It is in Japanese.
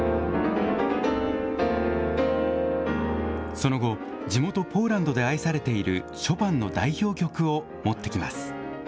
その後、地元ポーランドで愛されているショパンの代表曲を持ってきます。